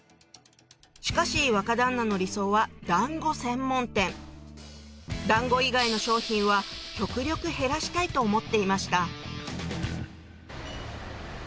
しかし若旦那の理想はだんご専門店だんご以外の商品は極力減らしたいと思っていました